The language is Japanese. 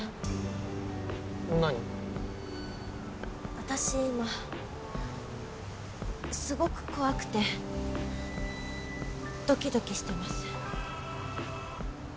私今すごく怖くてドキドキしてます。